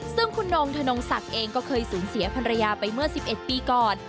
ซึ่งคุณนงธนงศักดิ์เองก็เคยสูญเสียภรรยาไปเมื่อ๑๑ปีก่อน